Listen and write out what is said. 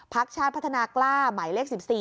ชาติพัฒนากล้าหมายเลข๑๔